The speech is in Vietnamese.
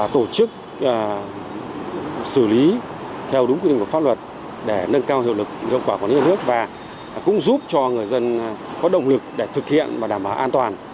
tổ chức xử lý theo đúng quy định của pháp luật để nâng cao hiệu quả của nước và cũng giúp cho người dân có động lực để thực hiện và đảm bảo an toàn